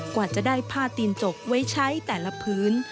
กว่าจะได้ผ้าตีนจกไว้ใช้แต่ละพื้น